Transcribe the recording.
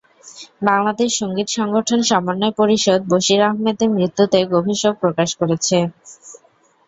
বাংলাদেশ সংগীত সংগঠন সমন্বয় পরিষদ বশির আহমেদের মৃত্যুতে গভীর শোক প্রকাশ করেছে।